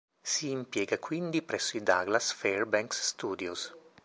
Si impiega quindi presso i Douglas Fairbanks Studios.